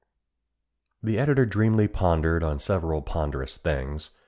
The Editor dreamily pondered on several ponderous things.